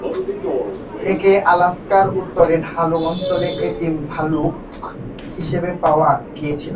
একে আলাস্কার উত্তরে ঢালু অঞ্চলে এতিম ভালুক হিসেবে পাওয়া গিয়েছিল।